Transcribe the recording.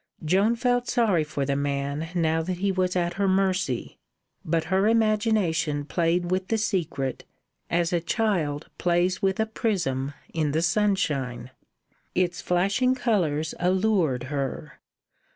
Joan felt sorry for the man now that he was at her mercy; but her imagination played with the secret, as a child plays with a prism in the sunshine. Its flashing colours allured her.